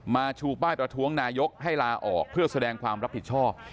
ชูป้ายประท้วงนายกให้ลาออกเพื่อแสดงความรับผิดชอบ